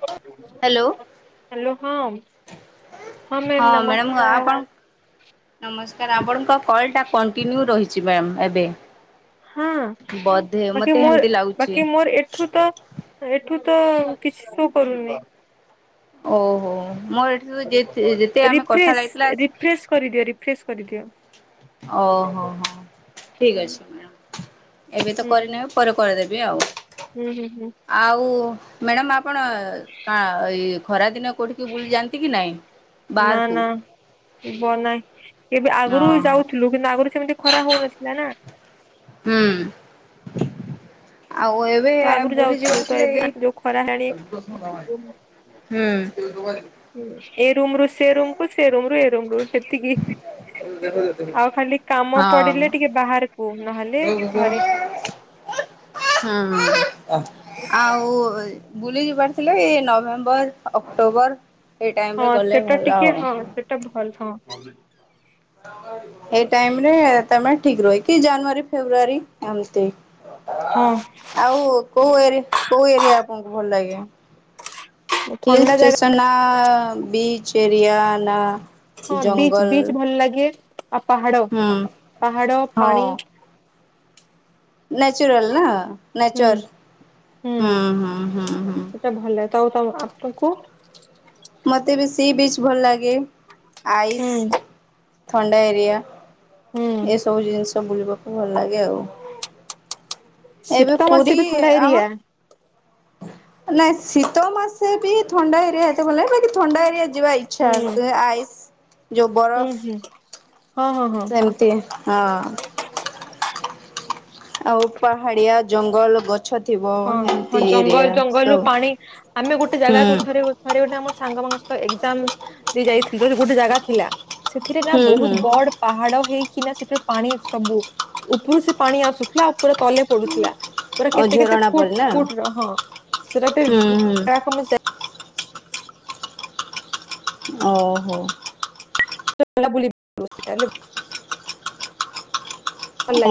[inaudible] Hello ହଁ ହଁ ma'am ନମସ୍କାର। ସାର ଆପଣଙ୍କ କଲ୍ ଟା କଣ୍ଟିନ୍ୟୁ ରହି ଜିବାମ୍ ଏବେ ହଁ ବୋଧେ ବାକି ମତେ ମୋର ହେମିତି ଲାଗୁଛି। ବାକି ମୋର ଏଠୁ ତ ଏଠୁ ତ କିଛି ସୋ କରୁନି। ଓହୋ। ମୋର ଏଠି ଯେତେ ଯେତେ ଆମେ କଥା ଲାଗିଥିଲା ରିଫ୍ରେଶ ରିଫ୍ରେଶ କରିଦିଅ ରିଫ୍ରେଶ କରିଦିଅ। ଅହୋ ହୋ ହୁଁ ଠିକ ଅଛି ମ୍ୟାଡ଼ାମ ଏବେ ତ କରିନି। ପରେ କରିଦେବି ଆଉ ହୁଁ ହୁଁ ହୁଁ ଆଉ ମ୍ୟାଡ଼ାମ ଆପ୍ କଣ କା ଇ ଖରା ଦିନ କ୍ କୋଉଠିକି ବୁଲି ଯାଆନ୍ତି କି ନାଇଁ ନା ବାଆରକୁ। ନା [inaudible] ବ ନାଇଁ ଏବେ ଆଗରୁ ଯାଉଥୁଲୁ କିନ୍ତୁ ଆଗରୁ ସେମିତି ଖରା ହଉନଥିଲା ନା। ହୁଁ। ଆଉ ଏବେ ତ ଆଗରୁ ବୁଲି ଯିବା ଯାଉଥିଲୁ ତ ଆସିଲେ ଏବେ ଏଇ ଯୋଉ ଖରା ହେଲାଣି [inaudible] ହୁଁ। ହୁଁ ଏ ରୁମରୁୁ ସେ ରୁମ୍ କୁ ସେ ରୁମରୁ ଏ ରୁମ ରୁ। ସେତିକି ଆଉ ଖାଲି କାମ ହଁ ପଡିଲେ ଟିକେ ବାହାରକୁ ନହେଲେ ହଁ ଘରେ। ଆଉ। ବୁଲି ଯିବାରଥିଲେ ଏଇ ନଭେମ୍ବର ଅକ୍ଟୋବର। ଏଇ ହଁ ଟାଇମରେ ଗଲେ ସେଟା ଭଲ ଟିକେ ଆଉ। ହଁ ସେଟା ଭଲ ହଁ। [inaudible] ଏଇ ଟାଇମ ରେ ତମେ। ଠିକ୍ ରହେ କି ଜାନୁଆରୀ ଫେବୃୟାରୀ ଏମତି। ହଁ ଆଉ କୋଉ ଏରି କୋଉ ଏରିଆ ଆପଣଙ୍କୁ ଭଲ ଲାଗେ। ହ [inaudible] ହିଲ୍ ଥଣ୍ଡା ଜାଗା ଷ୍ଟେସନ୍ ନାବ। ବିଚ ଏରିଆ ନା। ହଁ ବିଚ ଜଙ୍ଗଲ ବିଚ୍ ଭଲ ଲାଗେ। ଆଉ ପାହାଡ ହୁଁ ପାହାଡ ପାଣି। ନାଚୁରାଲ ନା। ହୁଁ ନେଚର ହୁଁ ହୁଁ ହୁଁ ହୁଁ। ତଉ ତଉ ଆପଙ୍କୁ। ମୋତେ ବି ସି ବିଚ୍ ଭଲ ଲାଗେ। ଆଇସ୍। ହୁଁ ଥଣ୍ଡା ଏରିଆ। ହୁଁ ଏସବୁ ଜିନିଷ ବୁଲିବ କ ଭଲ ଲାଗେ ଆଉ ଏବେ ଶୀତ ପୁରୀ ମାସେ ବି ଥଣ୍ଡା ଆମ୍। ଏରିଆ ନାଇଁ ଶୀତ ମାସେ ବି ଥଣ୍ଡା ଏରିଆ ଏ ସେତେଵଲେ ଥଣ୍ଡା ଏରିଆ। ଯିବା ଇଛା ହୁଁ ତେନେ ଆଇସ ଯୋଉ ହୁଁ ବରଫ। ହୁଁ ହଁ ହଁ ହଁ ଚେମତି ହଁ। ଆଉ ପାହାଡ଼ିଆ। ଜଙ୍ଗଲ ଗ ହଁ ହଁ ଜଙ୍ଗଲ ଜଙ୍ଗଲରୁ ସବୁ। ପାଣି ଆମେ ଗୋଟେ ହୁଁ ଜାଗା କୁ ଥରେ ଥରେ ଗୋଟେ ଆମ ସାଙ୍ଗ ଫାଙ୍ଗ ସ ତ ଏକଜାମ ଦେଇ ଯାଇଥିଲ ଯେ ଗୋଟେ ଜାଗା ଥିଲା। ସେଥିରେ ନା ହୁଁ ହୁଁ ବହୁତ ବଡ ପାହାଡ ହେଇ କି ନା ସେଥର ପାଣି ସବୁ ଉପରୁ ସେ ପାଣି ଆସୁଥିଲା ଆଉ ପୁରା ତଲେ ପଡୁଥିଲା। ପୁରା ଆଉ କେତେ କେତେ। ଝରଣା କୁଟ ପରି ନା କୁଟୀର ହଁ ସେଟା ହୁଁ ହୁଁ ଗୋଟେ। [inaudible] ଓହୋ। ସେ ବୁଲି [inaudible] ହେଲେ। ଓ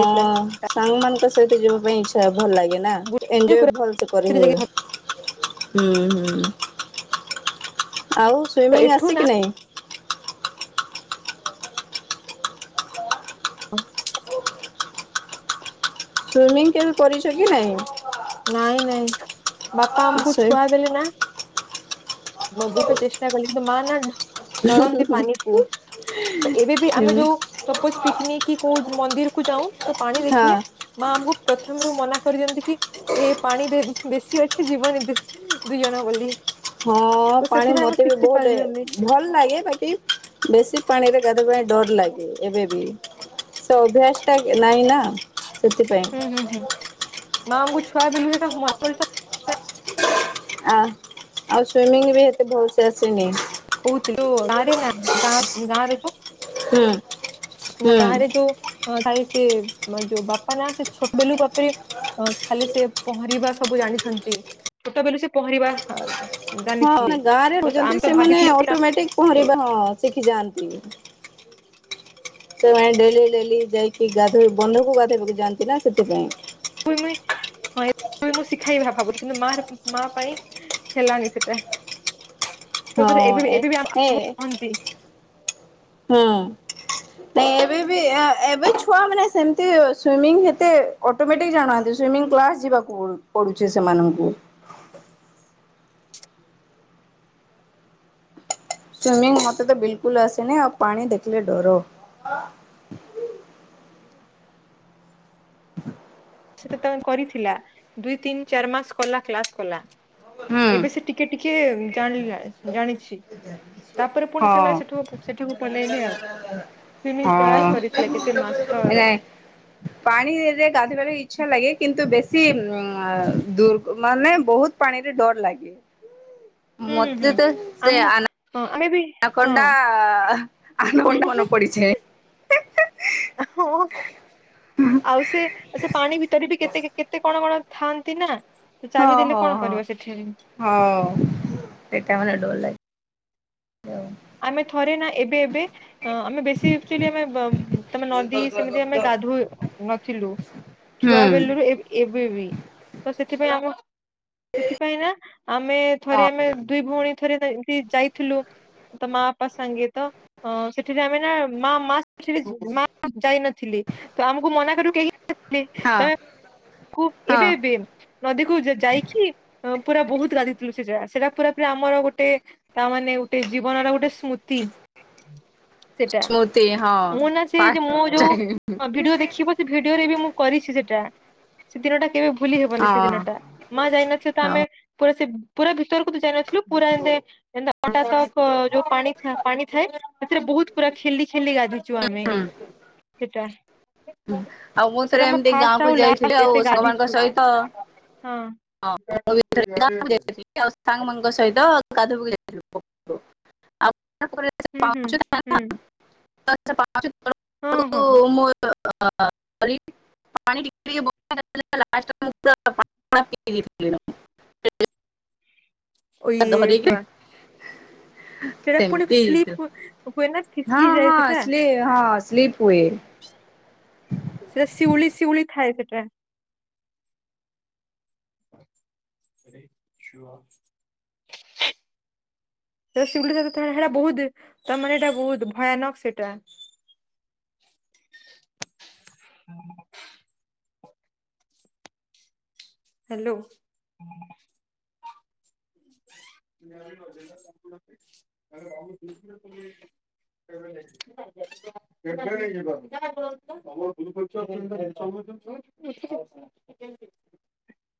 ସାଙ୍ଗ ମନଙ୍କ ସହିତ ଯିବା ପାଇଁ ଇଚ୍ଛା। ଭଲ ଲାଗେ ନା ଏଞ୍ଜୋୟ୍ ଭଲ ସେ କରି ହୁଏ। ହୁଁ ହୁଁ। ଆଉ ସ୍ୱୀମିଂ ଏଠୁ ଆସେ ନା କି ନାଇଁ। ହଁ। ସ୍ଵୀମିଂ କେବେ କରିଛ କି ନାଇଁ। ନାଇଁ ନାଇଁ ବାପା ଆମକୁ ଛୁଆ ବେଲେ ନା। ମୁଁ ବହୁତ୍ ଚେଷ୍ଟା କଲି କିନ୍ତୁ ମା ନା। ଡରନ୍ତି ପାନି କୁ ତ ଏବେ ବି ଆମେ ଯୋଉ ସପୋଜ ପିକନିକ କି କୋଉ ମନ୍ଦିର କୁ ଯାଉ ତ ପାଣି ଦେଖିଲେ ମା ଆମକୁ ପ୍ରଥମରୁ ମନା। କରିଦିଅନ୍ତି କି। ଏ ପାଣି ବେ ବେଶୀ ଅଛି ଯିବନି ଦୁ ଦୁଇ ଦୁଇ ଜଣ ବୋଲି। ହଁ ତ ପାଣି ସେଥିପାଇଁ ଆମେ ମତେ ବି ଶିଖି ବହୁତେ ପାରିଲୁନି ଭଲ ଲାଗେ ବାକି ବେଶୀ ପାଣିରେ ଗାଧେବା ପାଇଁ ଡର ଲାଗେ। ଏବେ ବି ସେ ଅଭ୍ୟାସ ଟା ନାଇଁ ନା। ହୁଁ ସେଥିପାଇଁ ହୁଁ ହୁଁ ମା ଆମକୁ ଛୁ ବେଲୁ ଏକା। [unintelligible] ଆ ଆଉ ସ୍ଵିମିଂ ବି ଏତେ ଭଲସେ ଆସେନି। କହୁଥିଲି ଗାଁରେ ନା ଗାଁ ଗାଁରେ ଯୋ। ହୁଁ ଗାଁ ହୁଁ। ରେ ଯୋଉ। [inaudible] ସେ ଯୋଉ ବାପା ନା ସେ ଛୋଟ ବେଲୁ ବାପରେ ଖାଲି ସେ ପହଁରିବା ସବୁ ଜାଣିଛନ୍ତି ଛୋଟ ବେଲୁ ସେ ପହଁରିବା। ହଁ ଜାଣିଥିଲେ ମାନେ ଗାଁ ରେ ତ ରହୁଛନ୍ତି ଆମେ ତ ସେମାନେ। ଭାବିଥିଲେ ଅଟୋମେଟିକ ପହଁରିବା ହଁ ଶିଖିଯାଆନ୍ତି। ସେମାନେ ଡେଲି ଡେଲି ଯାଇକି ଗାଧୋଇ ବନ୍ଧୁକୁ ଗାଧୋଇବାକୁ ଯା ନ୍ତିନା ସେଥିପାଇଁ। ତ ମୁଁ ଶିଖାଇବି ଭାବୁଥିଲ କିନ୍ତୁ ମାର ମା ପାଇଁ ହେଲାନି ସେଟା ତ ସେଟା ଏବେ ହଁ ଏବେ ବି ଏ ଏ ଆମକୁ କହନ୍ତି ହୁଁ। ନାଇ ଏବେ ବି ଅ ଏବେ ଛୁଆ ମାନେ ସେମତି ସ୍ୱିମିଂ ଏତେ ଅଟୋମଟିକ ଜାଣାନ୍ତି ସ୍ୱିମିଂ କ୍ଲାସ ଯିବାକୁ ପଡୁଛି ସେମାନଙ୍କୁ। ସ୍ଵିମିଂ ମତେ ତ ବିଲକୁଲ ଆସେନି ଆଉ ପାଣି ଦେଖିଲେ ଡର। ହୁଁ। ସେଟା ତ ମାନେ କରିଥିଲା ଦୁଇ ତିନି ଚାରି ମାସ କଲା କ୍ଲାସ କଲା। ହୁଁ ଏବେ ସେ ଟିକେ ଟିକେ। ଜାଣିଲି ଇଆଏ ଜାଣିଛି ତାପରେ ପୁଣି ହଁ ସେମାନେ ସେଠୁ ସେଠିକୁ ପଲେଇଲେ ଆଉ ସ୍ଵିମିଂ କ୍ଲାସ ହଁ କରିଥିଲା କେତେ ମାସର। ଵେଲେ ଇଚ୍ଛା ଲାଗେ କିନ୍ତ ବେଶୀ ଦୂ ମାନେ ବହୁତ ପାଣିରେ ଡର ଲାଗେ। ହୁଁ ହୁଁ ମୋତେ ହୁଁ ତ ସେ ଆମ ଆ ହଁ ଆମେ ବି ଆ ହଁ କଣ୍ଡା ଆ କଟା ମନ ପଡିଛେ ହଁ ଆଉ ସେ ସେ ପାଣି ଭିତରେ ବି କେତେ କେତେ କଣ କଣ ଥାଆନ୍ତି ନା। ତ ହଁ ଚାବି ଦେଲେ ହଁ କଣ ହଁ କରିବ ସେଠି ହଁ ସେଟ ମ ଡଲ ଲ ଆମେ ଥରେ ନା ଏବେ ଏବେ ଆମେ ବେଶୀ ଆକଚୁଆଲି ତମେ ନଦୀ ସେମିତି ଆମେ ଗାଧୋଇ ନଥିଲୁ ଛୁଆ ହୁଁ। ବେଲୁରୁ ଏବେ ବି ତ ସେଥିପାଇଁ ଆମ ସେଥିପାଇଁ ନା ଆମେ ହଁ ଥରେ ଆମେ ଦୁଇ ଭଉଣୀ ଥରେ ଏମିତି ଯାଇଥିଲୁ ତ ମା ବାପା ସାଙ୍ଗେ ତ ସେଠାରେ ଆମେ ନା ମା ମା ସେଠ ମା ଯାଇନଥିଲେ ତ ଆମକୁ ମନା କରୁ କେହି ହଁ ତମେ ହଁ ଏବେ ବି ନଦୀକୁ ଯାଇକି ପୁରା ବହୁତ ଗାଧିଥିଲୁ ସେଟା ସେଟା ପୁରା ପୁରା ଆମର ଗୋଟେ ତା ମାନେ ଗୋଟେ ଜୀବନର ଗୋଟେ ସ୍ମୃତି ସେଟା ସ୍ମୃତି ହଁ ମୁଁ ନା ସେ ଯେ ଫାଷ୍ଟ ମୋ ଟାଇମ୍ ଯୋଉ ଭିଡିଓ ଦେଖିବ ସେ ଭିଡିଓରେ ବି ମୁଁ କରିଛି ସେଟା ସେ ଦିନଟା କେବେ ଭୁଲି ହବନି ସେ ହଁ ଦିନଟା ମା ଯାଇନଥ ତ ହଁ। ଆମେ ପୁରା ସେ ପୁରା ଭିତରକୁ ତୁ ଯାଇ ନଥିଲୁ ପୁରା ଏଟାଶ ଯୋଉ ପାଣି ପାଣି ଥାଏ ସେଥିରେ ବହୁତ ପୁରା ଖେଲି ଖେଲି ଗାଧୋଇ ଛୁ ଆମେ ହୁଁ ହୁଁ ସେଟା ଆଉ ମୁଁ ତ ସେଟା ଥରେ ଆମ ଏମିତି ଗାଁ ଫାଷ୍ଟ କ ଆଉ ଯାଇଥିଲି ଲାଷ୍ଟ ଆଉ ଏତେ ସାଙ୍ଗ ମଙ୍କ ଗାଧିଛୁ ସହିତ ହଁ ମୁଁ ବି ଯାଇଥିଲି ଆଉ ସାଙ୍ଗ ମଙ୍କ ସହିତ କାଧ ଆ ହୁଁ ହୁଁ ହୁଁ ପାଛ ପା ହଁ [inaudible] ହଁ ଆଉ ମୋ [unintelligible] ଓଇ ଏ ଧରିକି ବୁଆ। ସେଟା ପୁଣି ସେମିତି ସ୍ଲିପ ହେଇଥିଲା। ହୁ ହୁଏ ନାଁ? ହଁ ହଁ ସ୍ଲି ହଁ ସ୍ଲିପ ହୁଏ। ସେଟା ଶିଉଳି ଶିଉଳି ଥାଏ ସେଟା। [inaudible] ସେ ଶିଉଳିଟା ତଥା ହେରା ବୋହୁତ ତ ଆମର ହେଟା ବହୁତ ଭୟାନକ ସେଟା। ହାଲୋ। [unintelligible]